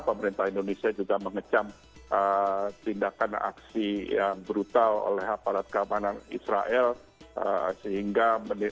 pemerintah indonesia juga mengecam tindakan aksi yang brutal oleh aparat keamanan israel